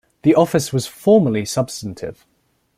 The office was formerly substantive.